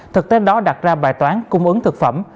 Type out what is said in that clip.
thực tế đó đặt ra bài toán cung ứng thực phẩm